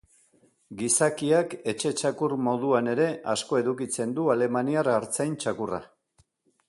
Gizakiak etxe-txakur moduan ere asko edukitzen du alemaniar artzain txakurra.